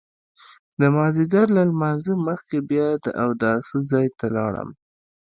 د مازیګر له لمانځه مخکې بیا د اوداسه ځای ته لاړم.